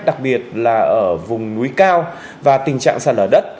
đặc biệt là ở vùng núi cao và tình trạng sạt lở đất